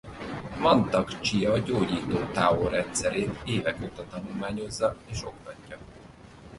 Mantak Chia Gyógyító Tao rendszerét évek óta tanulmányozza és oktatja.